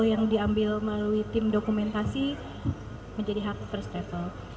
yang diambil melalui tim dokumentasi